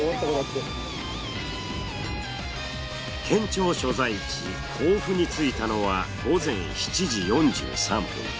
県庁所在地甲府に着いたのは午前７時４３分。